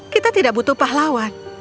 kita tidak butuh pahlawan